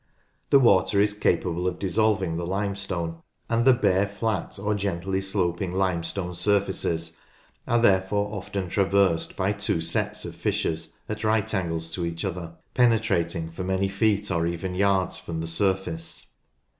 The water is capable of dissolving the limestone, and the bare flat or gently sloping limestone surfaces are therefore often traversed by two sets of fissures at right angles to each other, penetrating for many feet or even yards from the surface.